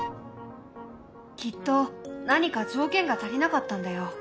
きっと何か条件が足りなかったんだよ。